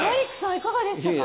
いかがでしたか？